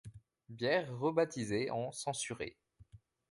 Bière rebaptisée en Censurée.